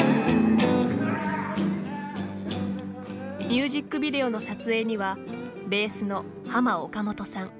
ミュージックビデオの撮影にはベースのハマ・オカモトさん